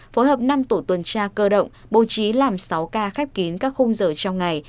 phối hợp năm tổ tuần tra cơ động bố trí làm sáu ca khép kín các khung giờ trong ngày